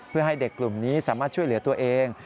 เพื่อให้เด็กกลุ่มนี้สามารถช่วยเหลือตัวเอง